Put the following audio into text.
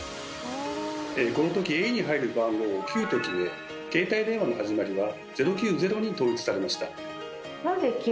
この時「ａ」に入る番号を「９」と決め携帯電話の始まりは「０９０」に統一されました。